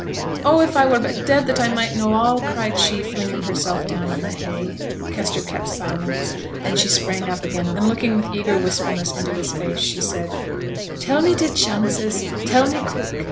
'Oh! if I were but dead that I might know all!' cried she, flinging herself down on the hay. Kester kept silence. Then she sprang up again, and looking with eager wistfulness into his face, she said, 'Tell me t' chances. Tell me quick!